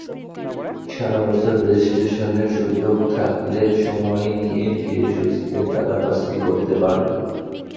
সারা বছর রেজিস্ট্রেশনের সুযোগ থাকলে সময় নিয়ে ধীরেসুস্থে তাঁরা কাজটি করতে পারবেন।